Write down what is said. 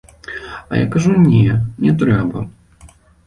А я кажу не, не трэба.